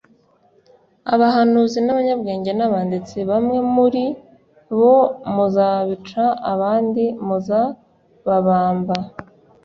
abahanuzi n'abanyabwenge n'abanditsi bamwe muri bo muzabica abandi muzababamba,